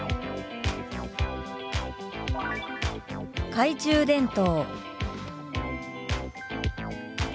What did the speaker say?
「懐中電灯」。